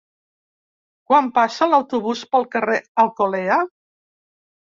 Quan passa l'autobús pel carrer Alcolea?